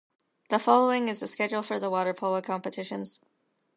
The following is the schedule for the water polo competitions.